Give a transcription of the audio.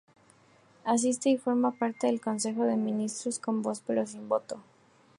Asiste y forma parte del Consejo de Ministros, con voz pero sin voto.